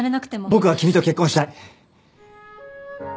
僕は君と結婚したい。